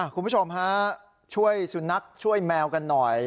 คุณผู้ชมฮะช่วยสุนัขช่วยแมวกันหน่อย